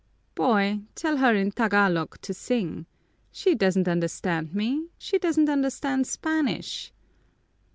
_ "Boy, tell her in Tagalog to sing! She doesn't understand me, she doesn't understand Spanish!"